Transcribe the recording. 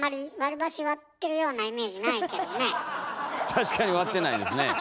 確かに割ってないですね。